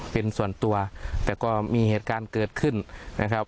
เป็นส่วนตัวแต่ก็มีเหตุการณ์เกิดขึ้นนะครับ